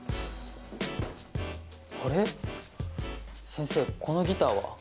先生このギターは？